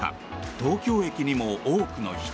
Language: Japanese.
東京駅にも多くの人。